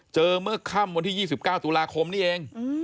เมื่อค่ำวันที่๒๙ตุลาคมนี้เอง